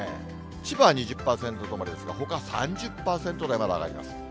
千葉２０％止まりですが、ほか３０％台まで上がります。